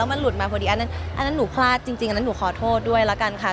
อันนั้นอันนั้นหนูพลาดจริงอันนั้นหนูขอโทษด้วยละกันค่ะ